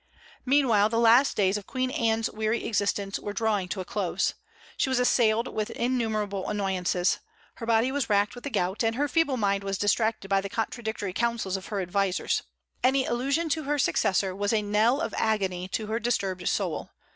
Meanwhile the last days of Queen Anne's weary existence were drawing to a close. She was assailed with innumerable annoyances. Her body was racked with the gout, and her feeble mind was distracted by the contradictory counsels of her advisers. Any allusion to her successor was a knell of agony to her disturbed soul.